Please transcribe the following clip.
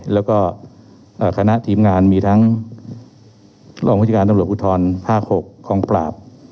แล้วก็คณะทีมงานมีทั้งรองวิชาการตำรวจภูทรภาค๖กองปราบ